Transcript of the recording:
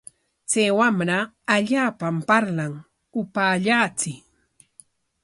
Chay wamrata allaapam parlan, upaallachiy.